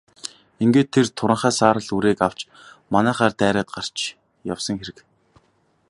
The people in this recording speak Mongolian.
Ингээд тэр туранхай саарал үрээг авч манайхаар дайраад гарч явсан хэрэг.